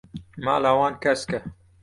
Mala wan kesk e.